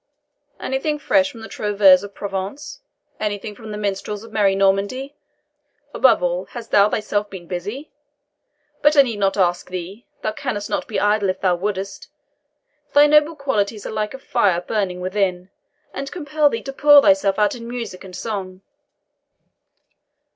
Anything fresh from the TROUVEURS of Provence? Anything from the minstrels of merry Normandy? Above all, hast thou thyself been busy? But I need not ask thee thou canst not be idle if thou wouldst; thy noble qualities are like a fire burning within, and compel thee to pour thyself out in music and song."